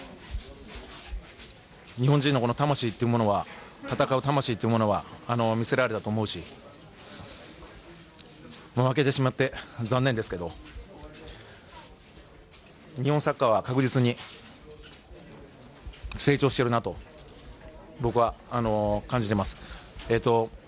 日本人の魂というものは戦う魂というものは見せられたと思うし負けてしまって残念ですが日本サッカーは確実に成長しているなと僕は感じています。